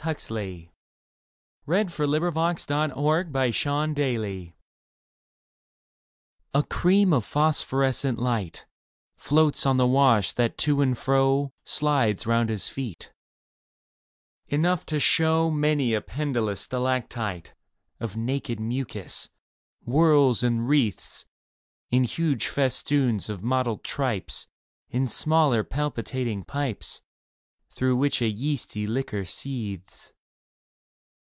And envied them in his heart. Jonah 25 JONAH A CREAM of phosphorescent light Floats on the wash that to and fro Slides round his feet — enough to show Many a pendulous stalactite Of naked mucus, whorls and wreaths And huge festoons of mottled tripes And smaller palpitating pipes Through which a yeasty liquor seethes.